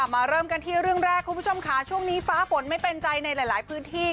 เริ่มกันที่เรื่องแรกคุณผู้ชมค่ะช่วงนี้ฟ้าฝนไม่เป็นใจในหลายพื้นที่